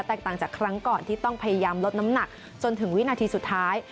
ต่างจากครั้งก่อนที่ต้องพยายามลดน้ำหนักจนถึงวินาทีสุดท้าย